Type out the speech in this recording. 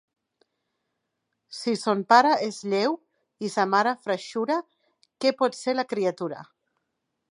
Si son pare és lleu i sa mare freixura, què pot ser la criatura.